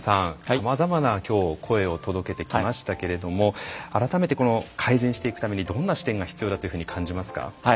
さまざまな今日声を届けてきましたけれども改めて改善していくためにどんな視点が必要だというふうに感じますか？